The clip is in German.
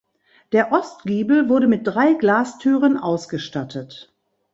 Der Ostgiebel wurde mit drei Glastüren ausgestattet.